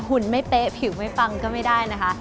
หุ่นไม่เป๊ะผิวไม่ฟังก็ไม่ได้นะคะ